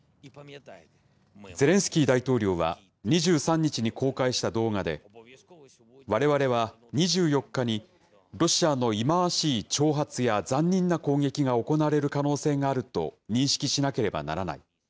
ゼレンスキー大統領は２３日に公開した動画で、われわれは２４日に、ロシアの忌まわしい挑発や残忍な攻撃が行われる可能性があると認識しなければならない。